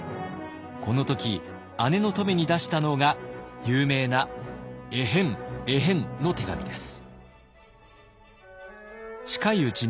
この時姉の乙女に出したのが有名な「エヘンエヘン」の手紙です。